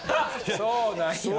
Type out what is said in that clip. そうなんや。